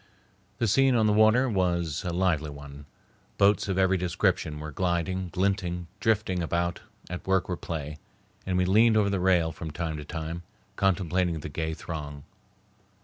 The scene on the water was a lively one. Boats of every description were gliding, glinting, drifting about at work or play, and we leaned over the rail from time to time, contemplating the gay throng.